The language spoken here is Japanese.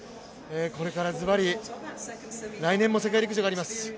これからズバリ、来年も世界陸上があります